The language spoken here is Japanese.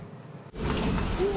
うわ。